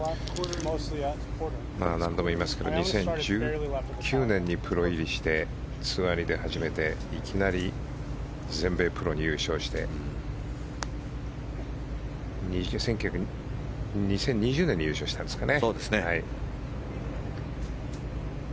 何度も言いますが２０１９年にプロ入りしてツアーに出始めていきなり全米プロで優勝して２０２０年に優勝したんですかね。